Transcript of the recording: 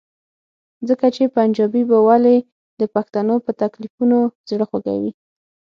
ځکه چې پنجابی به ولې د پښتنو په تکلیفونو زړه خوږوي؟